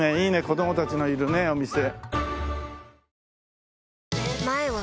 子供たちのいるねお店。